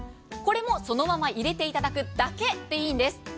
これもそのまま入れていただくだけでいいいんです。